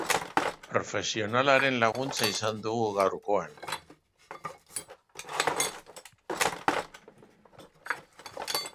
Profesionalaren laguntza izan dugu gaurkoan.